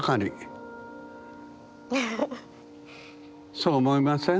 そう思いません？